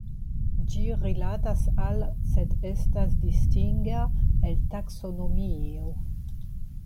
Ĝi rilatas al, sed estas distinga el taksonomio.